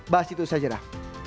bahas itu saja dah